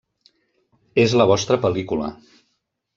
És la vostra pel·lícula.